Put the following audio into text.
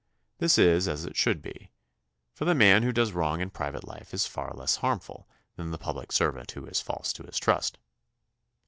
This is as it should be, for the man who does wrong in private life is far less harmful than the pubhc servant who is false to his trust.